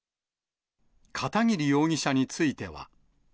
片桐容疑者については。